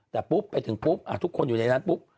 แต่ปุ๊บไปถึงปุ๊บทุกคนอยู่ในนั้นปุ๊บ